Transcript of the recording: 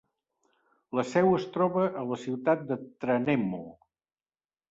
La seu es troba a la ciutat de Tranemo.